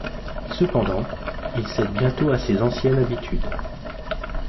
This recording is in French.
Cependant, il cède bientôt à ses anciennes habitudes.